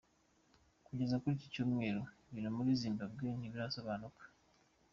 Kugeza kuri iki Cyumweru ibintu muri Zimbabwe ntibirasobanuka.